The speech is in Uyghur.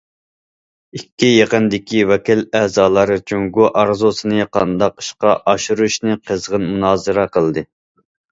ئىككى يىغىندىكى ۋەكىل ئەزالار جۇڭگو ئارزۇسىنى قانداق ئىشقا ئاشۇرۇشنى قىزغىن مۇنازىرە قىلدى.